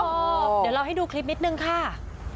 เดี๋ยวเราให้ดูคลิปนิดนึงค่ะ